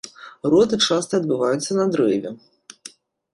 Роды часта адбываюцца на дрэве.